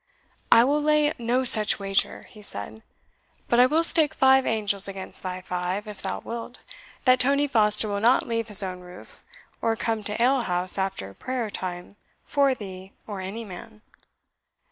"I will lay no such wager," he said; "but I will stake five angels against thy five, if thou wilt, that Tony Foster will not leave his own roof, or come to ale house after prayer time, for thee, or any man."